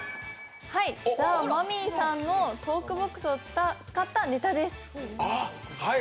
ザ・マミィさんのトークボックスを使ったネタです。